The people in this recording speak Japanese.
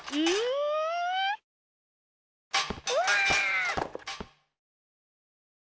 うわ！